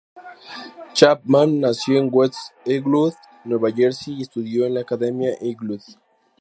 Chapman nació en West Englewood, Nueva Jersey y estudió en la Academia Englewood.